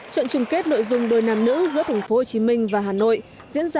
trận chung kết nội dung đôi nam nữ giữa tp hcm và hà nội